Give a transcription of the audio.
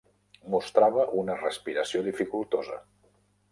Mostrava una respiració dificultosa.